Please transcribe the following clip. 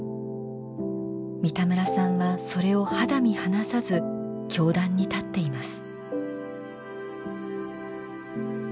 三田村さんはそれを肌身離さず教壇に立っています。